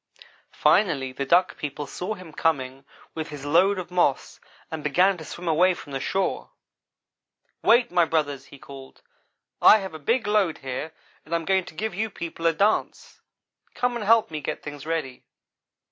Finally the Duck people saw him coming with his load of moss and began to swim away from the shore. "'Wait, my brothers!' he called, 'I have a big load here, and I am going to give you people a dance. Come and help me get things ready.